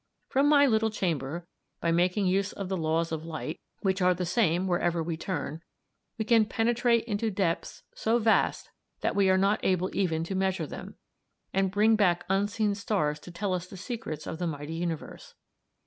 From my little chamber, by making use of the laws of light, which are the same wherever we turn, we can penetrate into depths so vast that we are not able even to measure them, and bring back unseen stars to tell us the secrets of the mighty universe.